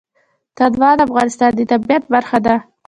تنوع د افغانستان د طبیعت برخه ده.